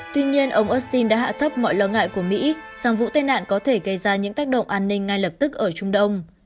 tuy nhiên ông austin đã hạ thấp mọi lo ngại của mỹ rằng vụ tai nạn có thể gây ra những tác động an ninh ngay lập tức ở trung đông